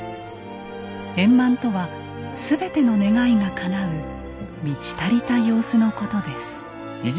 円満とは全ての願いがかなう満ち足りた様子のことです。